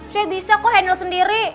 saya bisa kok handle sendiri